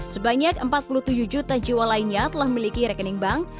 sebanyak empat puluh tujuh juta jiwa lainnya telah memiliki rekening bank